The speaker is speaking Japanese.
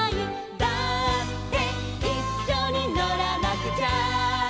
「だっていっしょにのらなくちゃ」